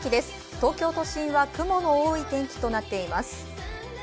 東京都心は雲の多い天気となっています。